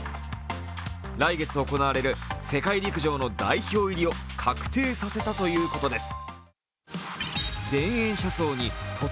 来月行われる世界陸上の代表入りを確定させたということです。